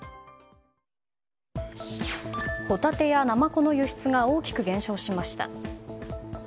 ホタテやナマコの輸出が大きく減少しました。